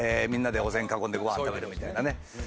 みんなでお膳囲んでご飯食べるみたいなね。